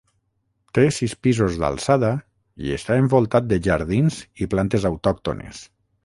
Té sis pisos d'alçada i està envoltat de jardins i plantes autòctones.